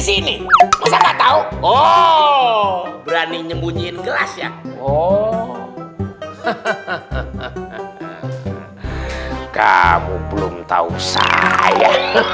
sini oh berani nyembunyiin gelas ya oh kamu belum tahu saya